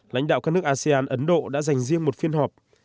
lãnh đạo các nước asean ấn độ đã dành riêng một phiên họp